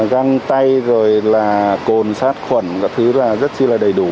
răng tay rồi là cồn sát khuẩn các thứ rất là đầy đủ